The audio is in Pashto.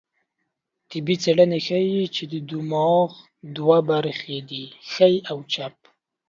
طبي څېړنې ښيي، چې د دماغو دوه برخې دي؛ ښۍ او چپه